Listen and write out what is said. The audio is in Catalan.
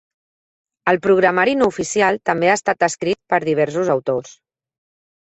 El programari no oficial també ha estat escrit per diversos autors.